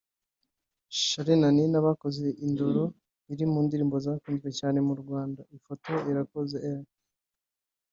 Charly na Nina bakoze Indoro iri mu ndirimbo zakunzwe cyane mu Rwanda (Ifoto/Irakoze R